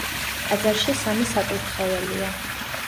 ტაძარში სამი საკურთხეველია.